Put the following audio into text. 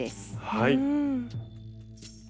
はい。